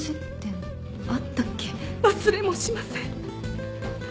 忘れもしません。